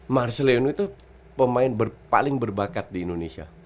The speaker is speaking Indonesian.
marcel leone itu pemain paling berbakat di indonesia